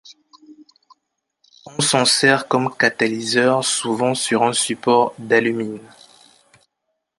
On s'en sert comme catalyseur souvent sur un support d'alumine.